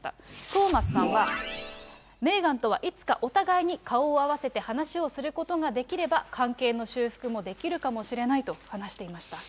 トーマスさんは、メーガンとはいつかお互いに顔を合わせて話をすることができれば、関係の修復もできるかもしれないと話していました。